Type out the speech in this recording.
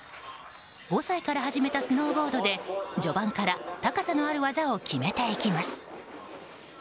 ５歳から始めたスノーボードで序盤から高さのある技を決めていきます。